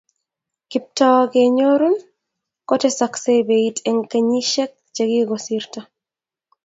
Kiptooo kenyorun kotekaksei beit eng kenyishek che kikosirto